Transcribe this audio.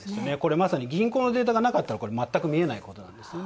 まさに銀行のデータがなかったら全く見えないことなんですね。